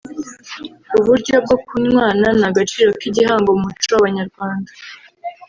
uburyo bwo kunywana n’agaciro k’igihango mu muco w’Abanyarwanda